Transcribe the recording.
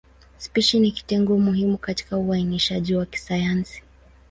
Spishi ni kitengo muhimu katika uainishaji wa kisayansi.